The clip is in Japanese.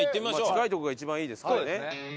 近いとこが一番いいですからね。